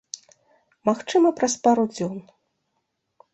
Магчыма, праз пару дзён.